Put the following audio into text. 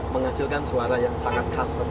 menghasilkan suara yang sangat custom